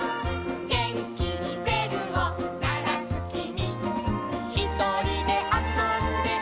「げんきにべるをならすきみ」「ひとりであそんでいたぼくは」